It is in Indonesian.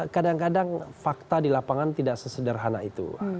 kadang kadang fakta di lapangan tidak sesederhana itu